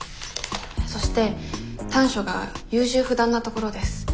そして短所が優柔不断なところです。